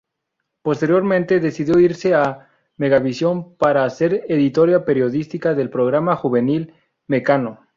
Posteriormente, decidió irse a Megavisión para ser editora periodística del programa juvenil "Mekano".